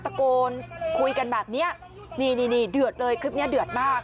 ตะโกนคุยกันแบบนี้นี่เดือดเลยคลิปนี้เดือดมาก